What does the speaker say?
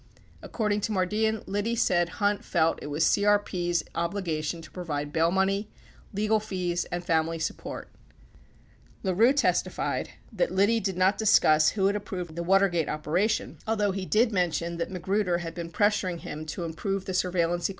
According to Mardian, Liddy said Hunt felt it was CRP's obligation to provide bail money, legal fees and family support. 56 LaRue testified that Liddy did not discuss who had approved the Watergate operation, although he did mention that Magruder had been pressuring him to improve the surveillance equipment in the DNC 45 9 Hearings 3498. .